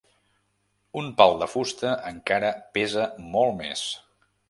Un pal de fusta encara pesa molt més.